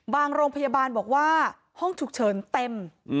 โรงพยาบาลบอกว่าห้องฉุกเฉินเต็ม